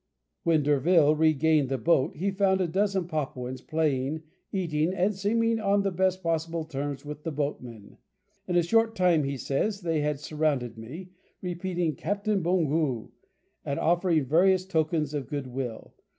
When D'Urville regained the boat he found a dozen Papuans playing, eating, and seeming on the best possible terms with the boatmen. "In a short time," he says, "they had surrounded me, repeating, 'Captain, bongous,' and offering various tokens of good will.